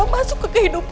tapi musuh aku bobby